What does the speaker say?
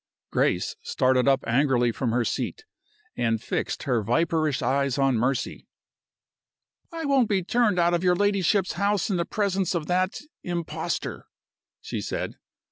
Grace started up angrily from her seat, and fixed her viperish eyes on Mercy. "I won't be turned out of your ladyship's house in the presence of that impostor," she said.